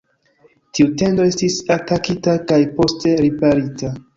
Tiu tendo estis atakita kaj poste riparita.